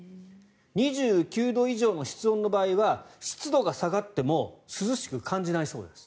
２９度以上の室温の場合は湿度が下がっても涼しく感じないそうです。